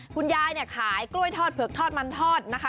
คุณยายเนี่ยขายกล้วยทอดเผือกทอดมันทอดนะคะ